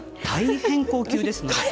大変高級な。